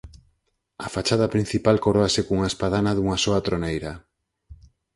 A fachada principal coróase cunha espadana dunha soa troneira.